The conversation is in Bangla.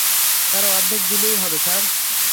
তার অর্ধেক দিলেই হবে, স্যার।